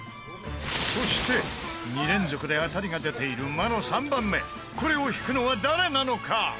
そして、２連続で当たりが出ている魔の３番目これを引くのは誰なのか？